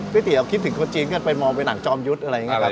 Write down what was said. พี่ตี๋คิดถึงคนจีนกันไปมองไปหนังจอมยุทธ์อะไรอย่างนี้ครับ